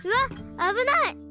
危ない！